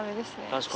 確かに。